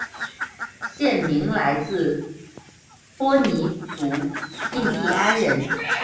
县名来自波尼族印第安人。